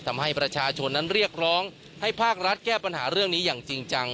ทำให้ประชาชนนั้นเรียกร้องให้ภาครัฐแก้ปัญหาเรื่องนี้อย่างจริงจัง